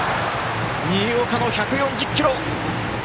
新岡の１４０キロ！